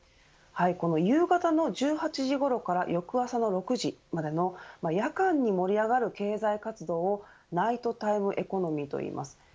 夕方の１８時ごろから翌朝６時までの夜間に盛り上がる経済活動をナイトタイムエコノミーといいます。